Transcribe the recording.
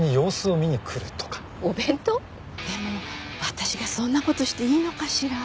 でも私がそんな事していいのかしら？